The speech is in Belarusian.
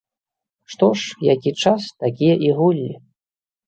Што ж, які час, такія і гульні.